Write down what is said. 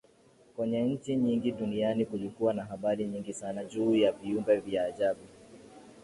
Kwenye nchi nyingi duniani kulikuwa na habari nyingi Sana juu ya viumbe vya ajabu